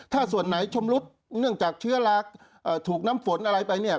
ถ้าส่วนไหนชำรุดเนื่องจากเชื้อราถูกน้ำฝนอะไรไปเนี่ย